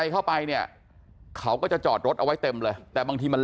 เข้าไปเนี่ยเขาก็จะจอดรถเอาไว้เต็มเลยแต่บางทีมัน